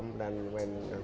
supaya tidak pasal pasalnya